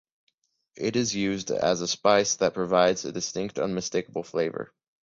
It is used as a spice that provides a distinct, unmistakable flavor.